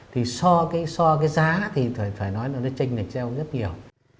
thì so cái giá thì phải nói là nó tranh lệch gieo rất nhiều